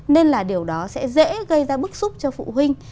nên là điều đó sẽ dễ gây ra bức xúc cho phụ huynh